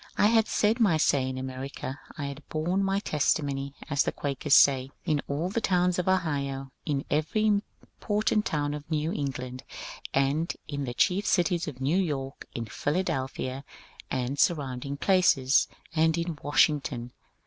I had said my say in America ; I had borne my testimony, as the Quakers say, in all the towns of Ohio, in every important town of New England, and in the chief cities of New York, in Philadelphia and surround ing places, and in Washington.